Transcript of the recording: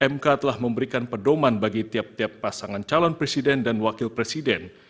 mk telah memberikan pedoman bagi tiap tiap pasangan calon presiden dan wakil presiden